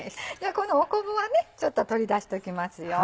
この昆布はちょっと取り出しときます。